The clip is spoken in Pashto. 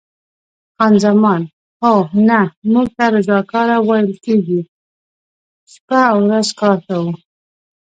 خان زمان: اوه، نه، موږ ته رضاکاره ویل کېږي، شپه او ورځ کار کوو.